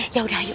ya udah yuk